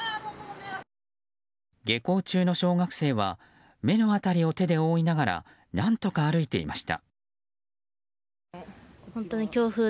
下校中の小学生は目の辺りを手で覆いながら何とか歩いていました。